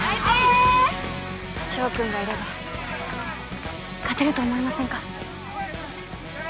翔君がいれば勝てると思いませんか？